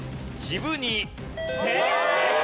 正解！